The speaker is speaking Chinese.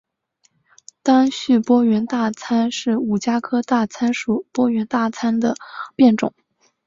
单序波缘大参是五加科大参属波缘大参的变种。